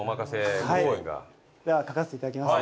では書かせていただきます。